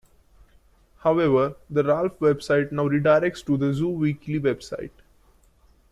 However the Ralph website now redirects to the Zoo Weekly website.